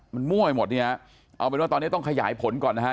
มันมั่วไปหมดเนี่ยเอาเป็นว่าตอนนี้ต้องขยายผลก่อนนะฮะ